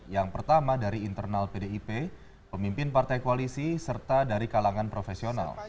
yang pertama dari internal pdip pemimpin partai koalisi serta dari kalangan profesional